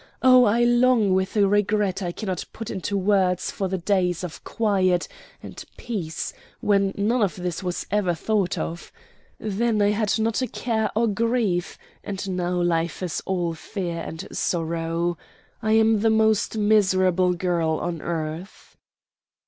Oh, I long with a regret I cannot put in words for the days of quiet and peace when none of this was ever thought of! Then I had not a care or grief, and now life is all fear and sorrow. I am the most miserable girl on earth."